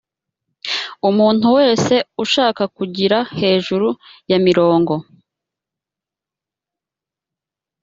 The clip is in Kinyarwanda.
umuntu wese ushaka kugira hejuru ya mirongo